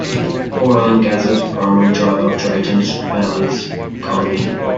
Oil and gas is the primary driver of Drayton Valley's economy.